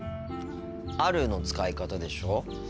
「ある」の使い方でしょ